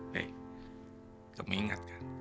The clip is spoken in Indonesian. hei kamu ingat kan